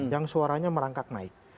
yang suaranya merangkak naik